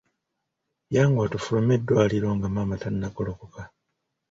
Yanguwa tufulume eddwaliro nga maama tannagolokoka.